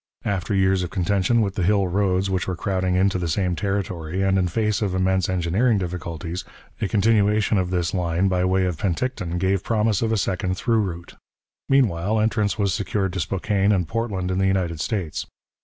After years of contention with the Hill roads which were crowding into the same territory, and in face of immense engineering difficulties, a continuation of this line by way of Penticton gave promise of a second through route. Meanwhile, entrance was secured to Spokane and Portland in the United States.